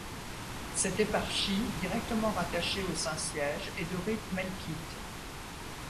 Cette éparchie, directement rattachée au Saint-Siège, est de rite melkite.